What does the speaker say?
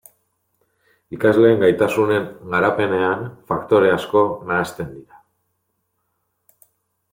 Ikasleen gaitasunen garapenean faktore asko nahasten dira.